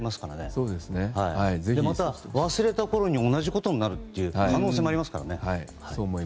そして、また忘れたころに同じことになるという可能性もありますからね。